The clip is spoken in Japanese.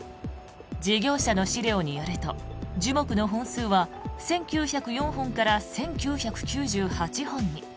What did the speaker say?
事業者の資料によると樹木の本数は１９０４本から１９９８本に。